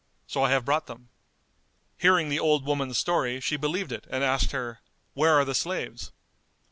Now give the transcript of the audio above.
So I have brought them." Hearing the old woman's story she believed it and asked her, "Where are the slaves?"